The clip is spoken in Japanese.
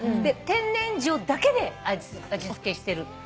で天然塩だけで味付けしてる。